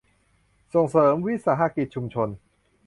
ส่งเสริมวิสาหกิจชุมชน